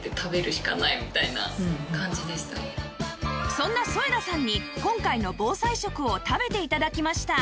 そんな添田さんに今回の防災食を食べて頂きました